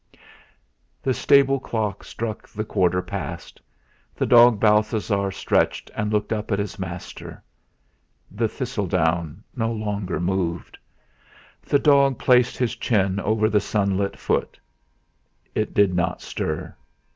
The stable clock struck the quarter past. The dog Balthasar stretched and looked up at his master. The thistledown no longer moved. The dog placed his chin over the sunlit foot. It did not stir.